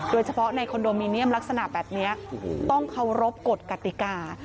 โดยเฉพาะในคอนโดมิเนียมลักษณะแบบนี้ต้องเคารพกฎกติกา